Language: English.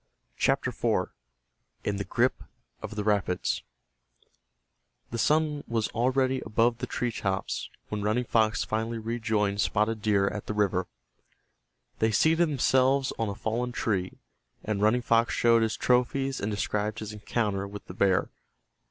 CHAPTER IV—IN THE GRIP OF THE RAPIDS The sun was already above the tree tops when Running Fox finally rejoined Spotted Deer at the river. They seated themselves on a fallen tree, and Running Fox showed his trophies and described his encounter with the bear.